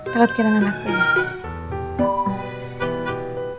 tengok kira kira aku ya